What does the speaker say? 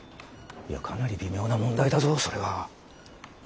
いやかなり微妙な問題だぞそれは。